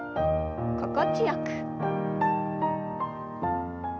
心地よく。